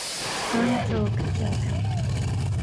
An bhróg bheag